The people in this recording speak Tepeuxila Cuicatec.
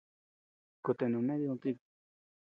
Kutea nauné did tika.